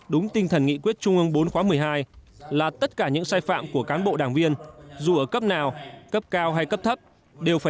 đúng tinh thần nghị quyết trung ương bốn khóa một mươi hai là tất cả những sai phạm của cán bộ đảng viên dù ở cấp nào cấp cao hay cấp thấp